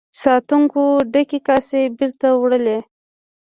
ساتونکو ډکې کاسې بیرته وړلې.